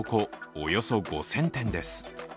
およそ５０００点です。